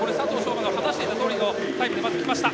馬が話していたとおりのタイムできました。